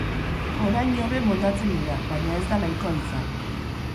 Orain hobe moldatzen dira, baina ez da nahikoa izan.